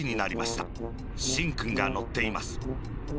しんくんがのっています。